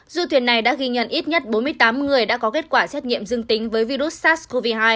du thuyền này đã ghi nhận ít nhất bốn mươi tám người đã có kết quả xét nghiệm dương tính với virus sars cov hai